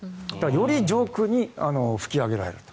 より上空に吹き上げられると。